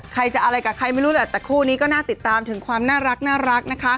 ใครจะอะไรกับใครไม่รู้แหละแต่คู่นี้ก็น่าติดตามถึงความน่ารักนะคะ